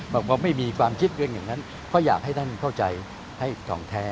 บอกว่าไม่มีความคิดเป็นอย่างนั้นเพราะอยากให้ท่านเข้าใจให้ทองแท้